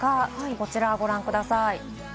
こちらご覧ください。